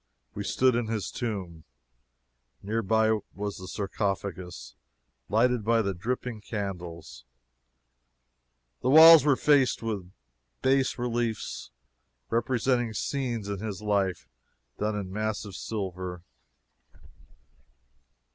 We stood in his tomb. Near by was the sarcophagus, lighted by the dripping candles. The walls were faced with bas reliefs representing scenes in his life done in massive silver.